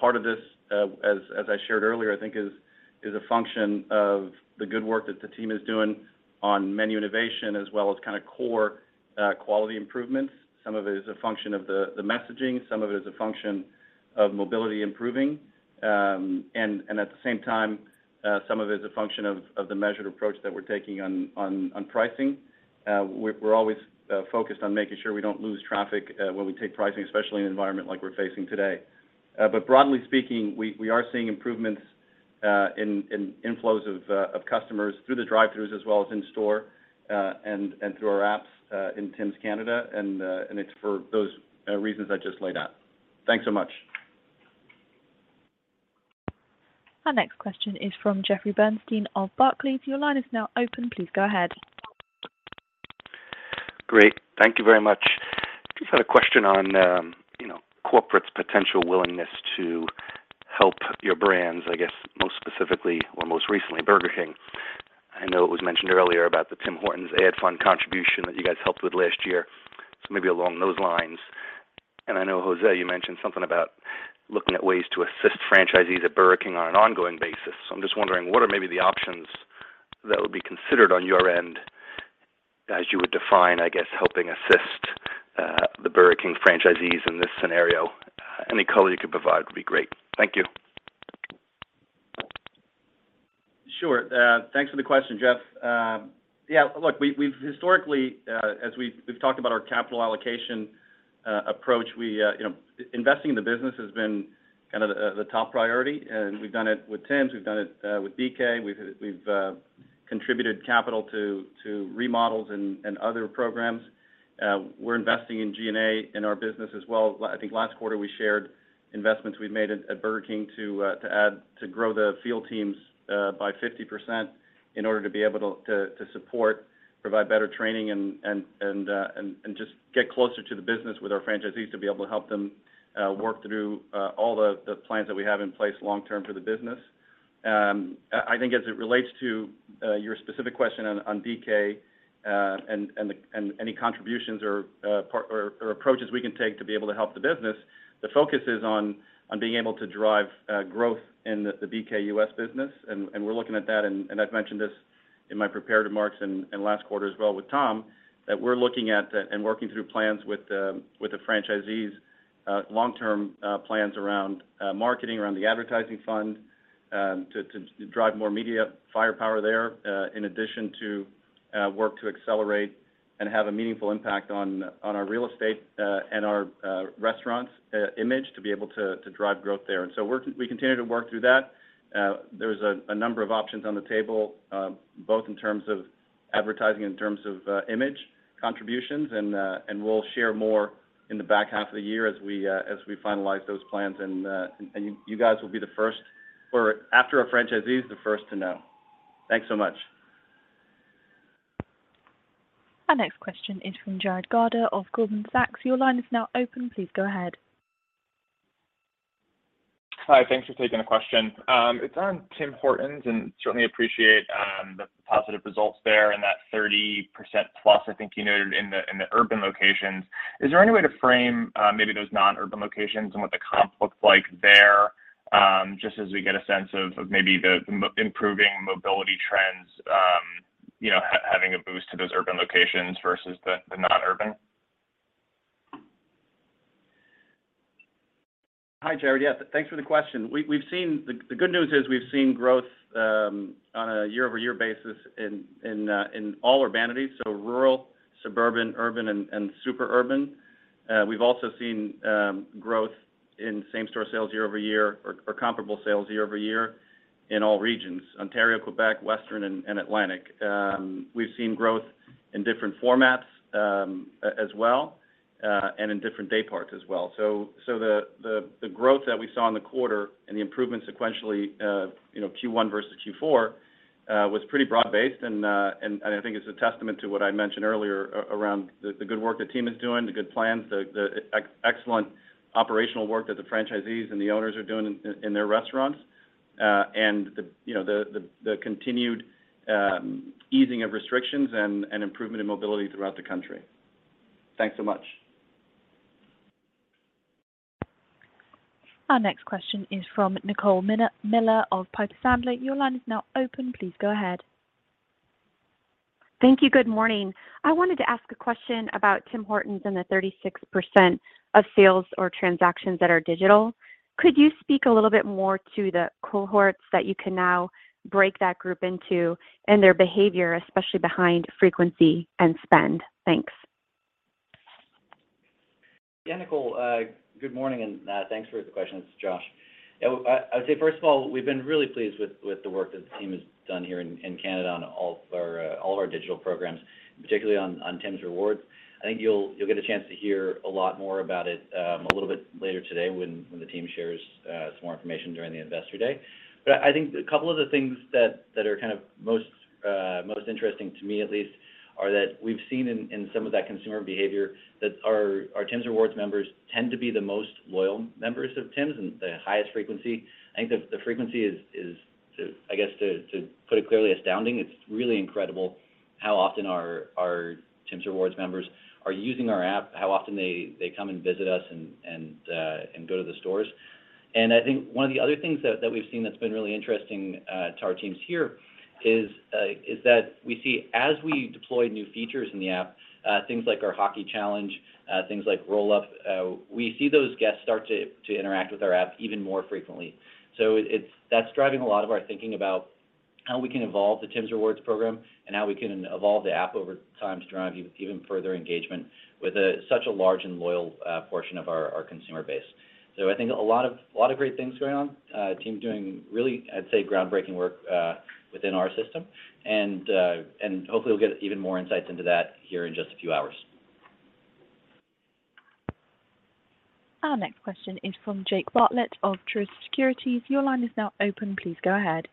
Part of this, as I shared earlier, I think is a function of the good work that the team is doing on menu innovation as well as kind of core quality improvements. Some of it is a function of the messaging, some of it is a function of mobility improving. At the same time, some of it is a function of the measured approach that we're taking on pricing. We're always focused on making sure we don't lose traffic when we take pricing, especially in an environment like we're facing today. Broadly speaking, we are seeing improvements in inflows of customers through the drive-throughs as well as in store and through our apps in Tims Canada. It's for those reasons I just laid out. Thanks so much. Our next question is from Jeffrey Bernstein of Barclays. Your line is now open. Please go ahead. Great. Thank you very much. Just had a question on, you know, corporate's potential willingness to help your brands, I guess, most specifically or most recently, Burger King. I know it was mentioned earlier about the Tim Hortons ad fund contribution that you guys helped with last year. Maybe along those lines. I know, José, you mentioned something about looking at ways to assist franchisees at Burger King on an ongoing basis. I'm just wondering what are maybe the options that would be considered on your end as you would define, I guess, helping assist, the Burger King franchisees in this scenario? Any color you could provide would be great. Thank you. Sure. Thanks for the question, Jeff. Yeah, look, we've historically, as we've talked about our capital allocation approach, you know, investing in the business has been kind of the top priority. We've done it with Tims, we've done it with BK. We've contributed capital to remodels and other programs. We're investing in G&A in our business as well. I think last quarter we shared investments we've made at Burger King to grow the field teams by 50% in order to be able to support, provide better training and just get closer to the business with our franchisees to be able to help them work through all the plans that we have in place long-term for the business. I think as it relates to your specific question on BK and any contributions or part or approaches we can take to be able to help the business, the focus is on being able to drive growth in the BK U.S. business. We're looking at that, and I've mentioned this in my prepared remarks and last quarter as well with Tom, that we're looking at and working through plans with the franchisees, long-term plans around marketing, around the advertising fund, to drive more media firepower there, in addition to work to accelerate and have a meaningful impact on our real estate and our restaurants' image to be able to drive growth there. We continue to work through that. There's a number of options on the table, both in terms of advertising, in terms of image contributions, and we'll share more in the back half of the year as we finalize those plans, and you guys will be the first, or after our franchisees, the first to know. Thanks so much. Our next question is from Jared Garber of Goldman Sachs. Your line is now open. Please go ahead. Hi, thanks for taking the question. It's on Tim Hortons, and certainly appreciate the positive results there, and that 30% plus I think you noted in the urban locations. Is there any way to frame maybe those non-urban locations and what the comp looks like there, just as we get a sense of maybe the improving mobility trends, you know, having a boost to those urban locations versus the non-urban? Hi, Jared. Yes, thanks for the question. The good news is we've seen growth on a year-over-year basis in all urbanities, so rural, suburban, urban, and super urban. We've also seen growth in same store sales year-over-year or comparable sales year-over-year in all regions, Ontario, Quebec, Western, and Atlantic. We've seen growth in different formats as well and in different day parts as well. The growth that we saw in the quarter and the improvement sequentially, Q1 versus Q4, was pretty broad-based, and I think it's a testament to what I mentioned earlier around the good work the team is doing, the good plans, the excellent operational work that the franchisees and the owners are doing in their restaurants, and the continued easing of restrictions and improvement in mobility throughout the country. Thanks so much. Our next question is from Nicole Miller Regan of Piper Sandler. Your line is now open. Please go ahead. Thank you. Good morning. I wanted to ask a question about Tim Hortons and the 36% of sales or transactions that are digital. Could you speak a little bit more to the cohorts that you can now break that group into and their behavior, especially behind frequency and spend? Thanks. Yeah, Nicole, good morning, and thanks for the question. It's Josh. Yeah, I'd say, first of all, we've been really pleased with the work that the team has done here in Canada on all of our digital programs, particularly on Tims Rewards. I think you'll get a chance to hear a lot more about it a little bit later today when the team shares some more information during the Investor Day. I think a couple of the things that are kind of most interesting to me at least are that we've seen in some of that consumer behavior that our Tims Rewards members tend to be the most loyal members of Tims and the highest frequency. I think the frequency is, I guess, to put it clearly, astounding. It's really incredible how often our Tims Rewards members are using our app, how often they come and visit us and go to the stores. I think one of the other things that we've seen that's been really interesting to our teams here is that we see as we deploy new features in the app, things like our hockey challenge, things like Roll-Up, we see those guests start to interact with our app even more frequently. That's driving a lot of our thinking about how we can evolve the Tims Rewards program and how we can evolve the app over time to drive even further engagement with such a large and loyal portion of our consumer base. I think a lot of great things going on. Team's doing really, I'd say, groundbreaking work within our system, and hopefully we'll get even more insights into that here in just a few hours. Our next question is from Jake Bartlett of Truist Securities. Your line is now open. Please go ahead.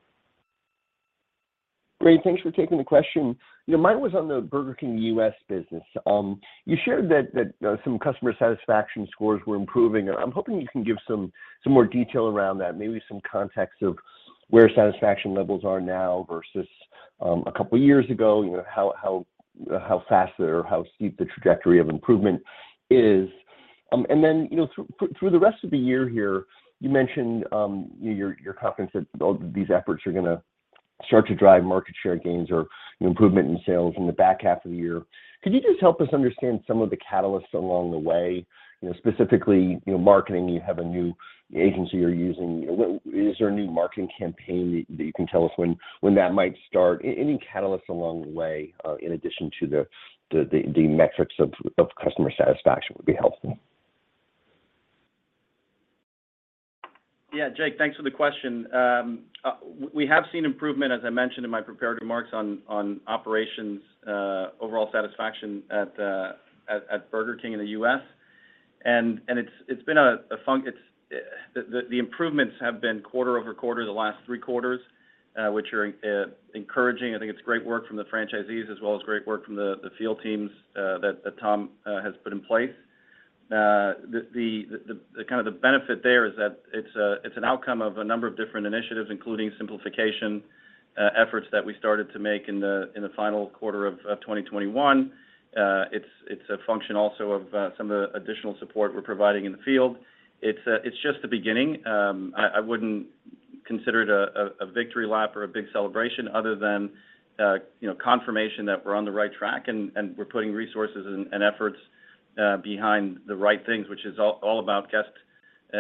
Great. Thanks for taking the question. You know, mine was on the Burger King U.S. business. You shared that some customer satisfaction scores were improving, and I'm hoping you can give some more detail around that, maybe some context of where satisfaction levels are now versus a couple years ago. You know, how fast or how steep the trajectory of improvement is. And then, you know, through the rest of the year here, you mentioned your confidence that all these efforts are gonna start to drive market share gains or, you know, improvement in sales in the back half of the year. Could you just help us understand some of the catalysts along the way? You know, specifically, you know, marketing, you have a new agency you're using. What Is there a new marketing campaign that you can tell us when that might start? Any catalysts along the way, in addition to the metrics of customer satisfaction would be helpful. Yeah. Jake, thanks for the question. We have seen improvement, as I mentioned in my prepared remarks, on operations, overall satisfaction at Burger King in the U.S. The improvements have been quarter-over-quarter the last three quarters, which are encouraging. I think it's great work from the franchisees as well as great work from the field teams that Tom has put in place. The benefit there is that it's an outcome of a number of different initiatives, including simplification efforts that we started to make in the final quarter of 2021. It is a function also of some of the additional support we're providing in the field. It's just the beginning. I wouldn't consider it a victory lap or a big celebration other than you know confirmation that we're on the right track and we're putting resources and efforts behind the right things, which is all about guest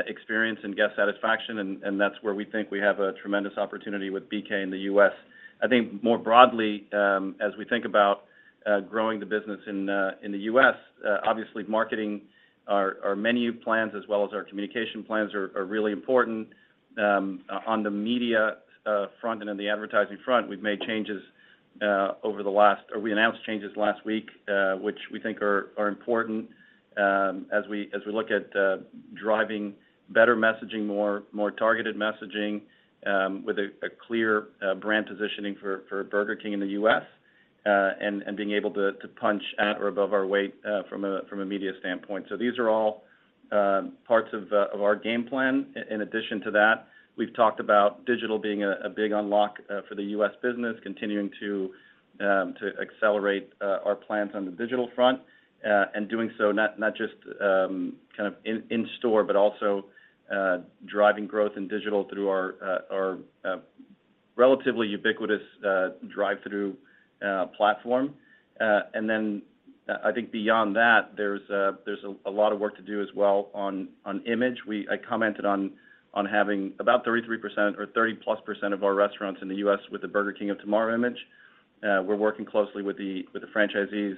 experience and guest satisfaction, and that's where we think we have a tremendous opportunity with BK in the U.S. I think more broadly, as we think about growing the business in the U.S., obviously marketing our menu plans as well as our communication plans are really important. On the media front and in the advertising front, we've made changes over the last... We announced changes last week, which we think are important, as we look at driving better messaging, more targeted messaging, with a clear brand positioning for Burger King in the U.S. And being able to punch at or above our weight, from a media standpoint. These are all parts of our game plan. In addition to that, we've talked about digital being a big unlock for the U.S. business, continuing to accelerate our plans on the digital front. And doing so not just kind of in store, but also driving growth in digital through our relatively ubiquitous drive through platform. I think beyond that, there's a lot of work to do as well on image. I commented on having about 33% or 30+% of our restaurants in the U.S. with the Burger King of Tomorrow image. We're working closely with the franchisees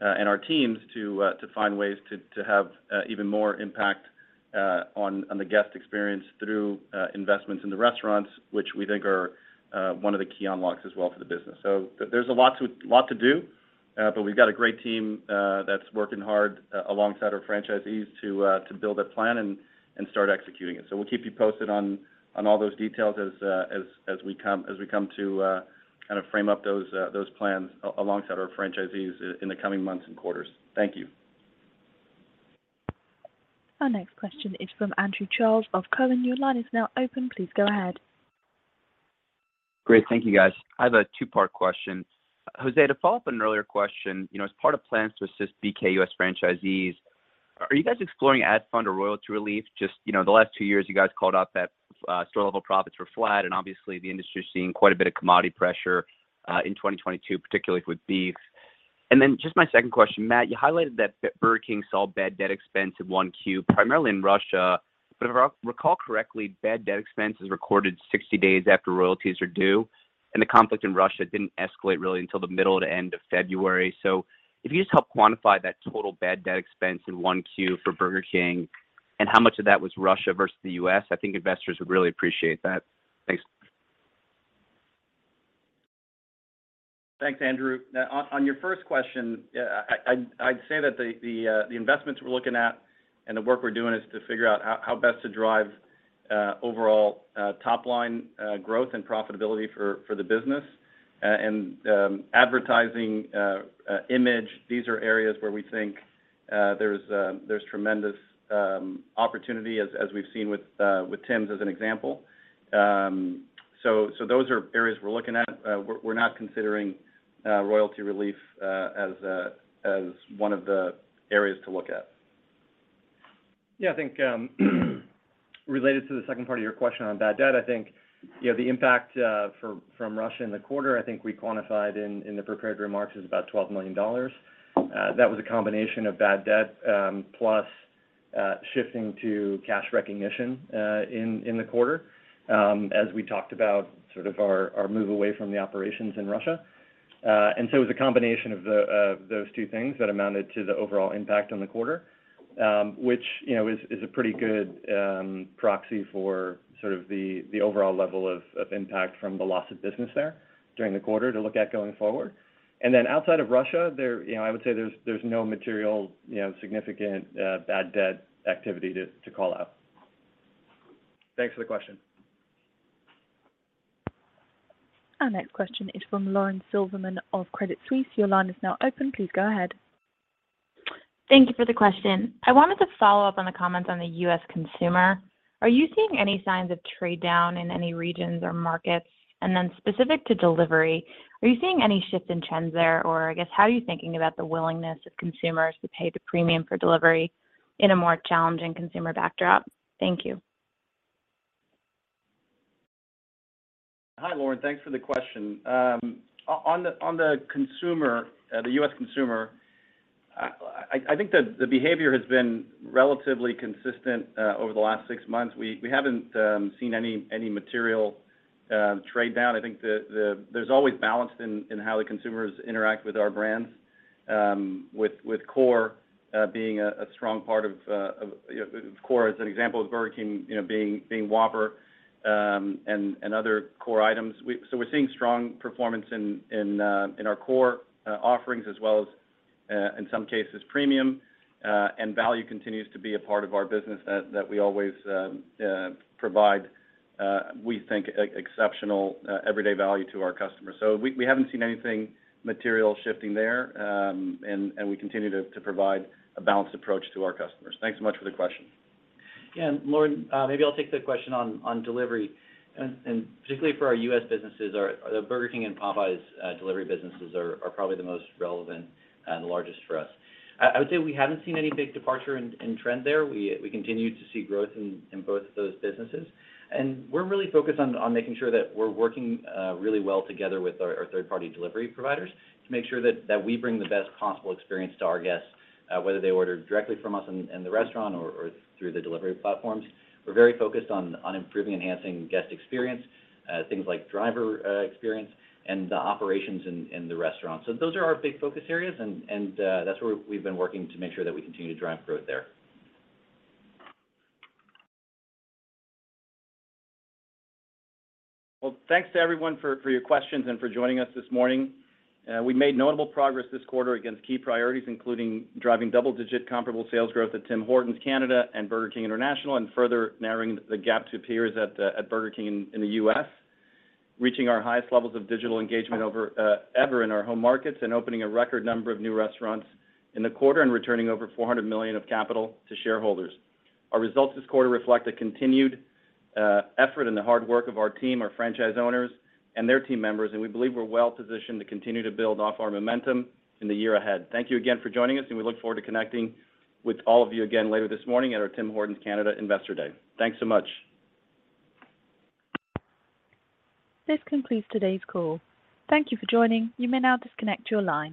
and our teams to find ways to have even more impact on the guest experience through investments in the restaurants, which we think are one of the key unlocks as well for the business. There's a lot to do, but we've got a great team that's working hard alongside our franchisees to build a plan and start executing it. We'll keep you posted on all those details as we come to kind of frame up those plans alongside our franchisees in the coming months and quarters. Thank you. Our next question is from Andrew Charles from Cowen. Your line is now open. Please go ahead. Great. Thank you, guys. I have a two-part question. José, to follow up on an earlier question, you know, as part of plans to assist BK US franchisees, are you guys exploring ad fund or royalty relief? Just, you know, the last two years, you guys called out that store level profits were flat, and obviously the industry's seeing quite a bit of commodity pressure in 2022, particularly with beef. Just my second question, Matt, you highlighted that Burger King saw bad debt expense in Q1, primarily in Russia. But if I recall correctly, bad debt expense is recorded 60 days after royalties are due, and the conflict in Russia didn't escalate really until the middle to end of February. If you could just help quantify that total bad debt expense in one Q for Burger King and how much of that was Russia versus the U.S., I think investors would really appreciate that. Thanks. Thanks, Andrew. Now on your first question, yeah, I'd say that the investments we're looking at and the work we're doing is to figure out how best to drive overall top line growth and profitability for the business. Advertising, image, these are areas where we think there's tremendous opportunity as we've seen with Tim's as an example. Those are areas we're looking at. We're not considering royalty relief as one of the areas to look at. Yeah. I think, related to the second part of your question on bad debt, I think, you know, the impact from Russia in the quarter, I think we quantified in the prepared remarks as about $12 million. That was a combination of bad debt, plus shifting to cash recognition, in the quarter, as we talked about sort of our move away from the operations in Russia. It was a combination of those two things that amounted to the overall impact on the quarter, which, you know, is a pretty good proxy for sort of the overall level of impact from the loss of business there during the quarter to look at going forward. Outside of Russia there, you know, I would say there's no material, you know, significant bad debt activity to call out. Thanks for the question. Our next question is from Lauren Silberman of Credit Suisse. Your line is now open. Please go ahead. Thank you for the question. I wanted to follow up on the comments on the U.S. consumer. Are you seeing any signs of trade down in any regions or markets? Specific to delivery, are you seeing any shifts in trends there? I guess, how are you thinking about the willingness of consumers to pay the premium for delivery in a more challenging consumer backdrop? Thank you. Hi, Lauren. Thanks for the question. On the consumer, the US consumer, I think the behavior has been relatively consistent over the last six months. We haven't seen any material trade down. I think there's always balance in how the consumers interact with our brands, with core being a strong part of, you know, core as an example is Burger King, you know, being Whopper and other core items. We're seeing strong performance in our core offerings as well as in some cases, premium. Value continues to be a part of our business that we always provide. We think exceptional everyday value to our customers. We haven't seen anything material shifting there. We continue to provide a balanced approach to our customers. Thanks so much for the question. Yeah. Lauren, maybe I'll take the question on delivery. Particularly for our U.S. businesses, the Burger King and Popeyes delivery businesses are probably the most relevant and the largest for us. I would say we haven't seen any big departure in trend there. We continue to see growth in both of those businesses. We're really focused on making sure that we're working really well together with our third party delivery providers to make sure that we bring the best possible experience to our guests, whether they order directly from us in the restaurant or through the delivery platforms. We're very focused on improving, enhancing guest experience, things like driver experience and the operations in the restaurant. Those are our big focus areas and that's where we've been working to make sure that we continue to drive growth there. Well, thanks to everyone for your questions and for joining us this morning. We made notable progress this quarter against key priorities, including driving double-digit comparable sales growth at Tim Hortons Canada and Burger King International, and further narrowing the gap to peers at Burger King in the US. Reaching our highest levels of digital engagement ever in our home markets and opening a record number of new restaurants in the quarter and returning over $400 million of capital to shareholders. Our results this quarter reflect a continued effort and the hard work of our team, our franchise owners and their team members, and we believe we're well-positioned to continue to build off our momentum in the year ahead. Thank you again for joining us, and we look forward to connecting with all of you again later this morning at our Tim Hortons Canada Investor Day. Thanks so much. This concludes today's call. Thank you for joining. You may now disconnect your line.